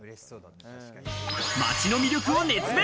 街の魅力を熱弁！